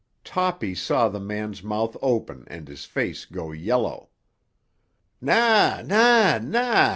Toppy saw the man's mouth open and his face go yellow. "Na, na, na!"